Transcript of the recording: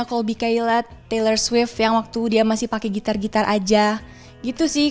kalo lebih kayak taylor swift yang waktu dia masih pake gitar gitar aja gitu sih